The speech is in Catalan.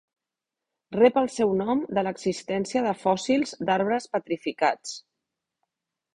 Rep el seu nom de l'existència de fòssils d'arbres petrificats.